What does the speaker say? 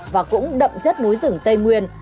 và cũng đậm chất núi rừng tây nguyên